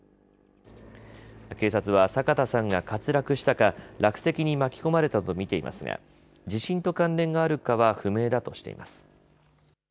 警察は酒田さんが滑落したか落石に巻き込まれたと見ていますが地震と関連があるかは不明だとしています。